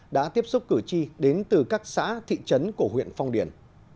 đã tiếp xúc cử tri đến từ các xã thị trấn của huyện phong điền